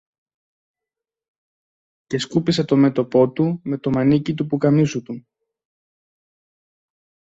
και σκούπισε το μέτωπο του με το μανίκι του ποκαμίσου του